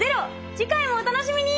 次回もお楽しみに！